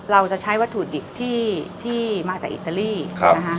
เราจะใช้วัตถุดิบที่มาจากอิตาลีนะคะ